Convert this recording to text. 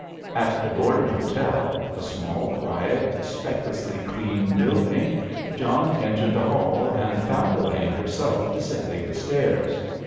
At the Gordon Hotel, a small quiet, specklessly clean building, John entered the hall, and found Elaine herself descending the stairs.